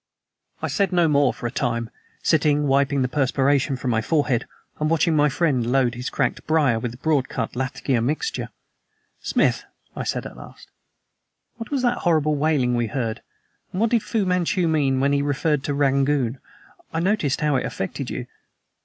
I said no more for a time, sitting wiping the perspiration from my forehead and watching my friend load his cracked briar with the broadcut Latakia mixture. "Smith," I said at last, "what was that horrible wailing we heard, and what did Fu Manchu mean when he referred to Rangoon? I noticed how it affected you."